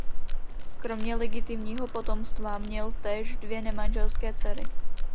Kromě legitimního potomstva měl též dvě nemanželské dcery.